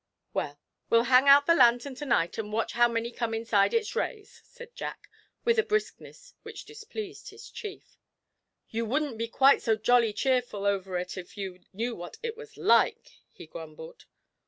'Well, we'll hang out the lantern to night, and watch how many come inside its rays,' said Jack, with a briskness which displeased his chief. 'You wouldn't be quite so jolly cheerful over it if you knew what it was like!' he grumbled.